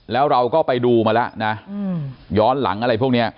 แล้วเราก็ไปดูมาแล้วนะย้อนหลังอะไรพวกนี้